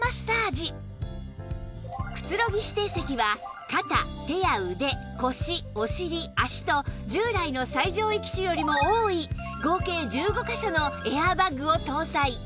くつろぎ指定席は肩手や腕腰お尻脚と従来の最上位機種よりも多い合計１５カ所のエアーバッグを搭載